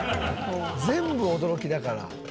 「全部驚きだから」